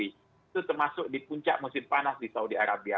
itu termasuk di puncak musim panas di saudi arabia